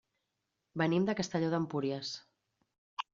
Venim de Castelló d'Empúries.